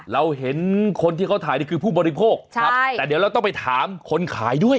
เราเห็นคนที่เขาถ่ายนี่คือผู้บริโภคแต่เดี๋ยวเราต้องไปถามคนขายด้วย